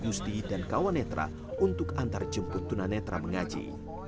untuk mengajar kawan netra gusti dan kawan netra untuk antarjemput tunanetra mengaji